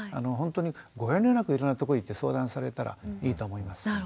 ほんとにご遠慮なくいろんなとこ行って相談されたらいいと思います。